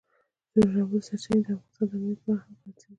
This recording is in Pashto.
ژورې سرچینې د افغانستان د امنیت په اړه هم اغېز لري.